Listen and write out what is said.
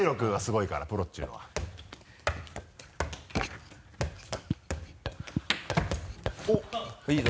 いいぞ。